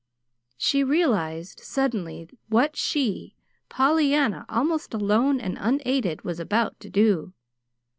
She realized suddenly what she, Pollyanna, almost alone and unaided, was about to do.